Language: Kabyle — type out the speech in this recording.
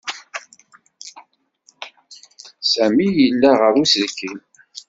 Sami yella ɣer uselkim.